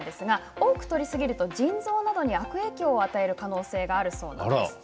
多くとりすぎると腎臓などに悪影響を与える可能性があるそうです。